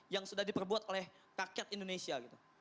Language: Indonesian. yang sudah diperbuat oleh rakyat indonesia gitu